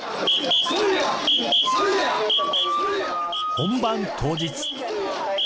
本番当日。